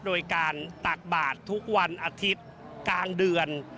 โดยการตักบาททุกวันอาทิตย์กลางเดือน